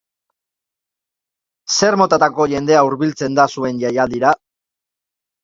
Zer motatako jendea hurbiltzen da zuen jaialdira?